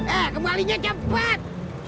eh kembalinya cepat